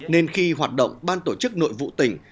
nên khi hoạt động ban tổ chức nội vụ tỉnh